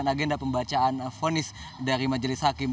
agenda pembacaan fonis dari majelis hakim